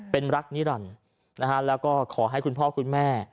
เป็นรักนิรันดิ์นะฮะแล้วก็ขอให้คุณพ่อคุณแม่